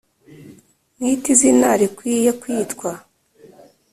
mwite izina rikwiye kwitwa